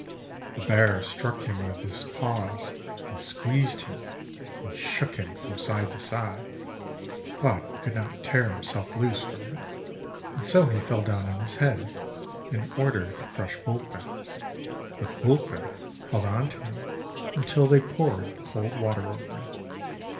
The bear struck him with his paws and squeezed him, and shook him from side to side, but could not tear himself loose from him, and so he fell down on his head, in order to crush Búlka; but Búlka held on to him until they poured cold water over him.